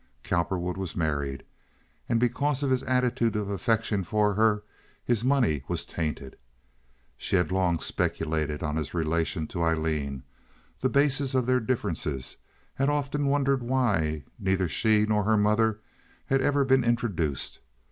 Cowperwood was married, and because of his attitude of affection for her his money was tainted. She had long speculated on his relation to Aileen, the basis of their differences, had often wondered why neither she nor her mother had ever been introduced.